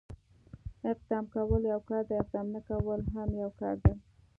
اقدام کول يو کار دی، اقدام نه کول هم يو کار دی.